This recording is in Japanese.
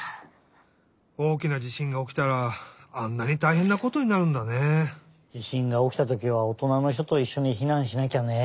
おおきな地しんがおきたらあんなにたいへんなことになるんだね。地しんがおきたときはおとなのひとといっしょにひなんしなきゃね。